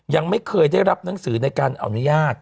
ยังไม่เคยได้รับหนังสือในการอนุญาต